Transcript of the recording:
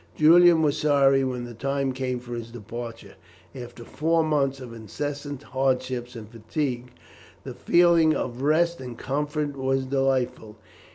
Julian was sorry when the time came for his departure. After four months of incessant hardship and fatigue, the feeling of rest and comfort was delightful.